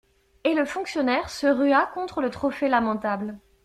Et le fonctionnaire se rua contre le trophée lamentable.